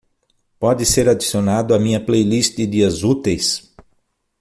Pode ser adicionado à minha playlist de dias úteis?